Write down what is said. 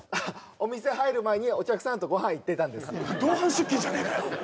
お店入る前にお客さんとご飯行ってたんです同伴出勤じゃねえかよ